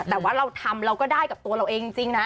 แต่ว่าเราทำเราก็ได้กับตัวเราเองจริงนะ